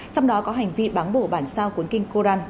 trong đó có hành vi báng bổ bản sao cuốn kinh koran